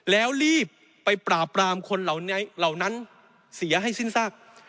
แล้วรีบไปปราบปรามคนเหล่านั้นเสียให้สิ้นซาก